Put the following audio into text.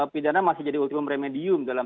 pidana masih jadi ultimum remedium dalam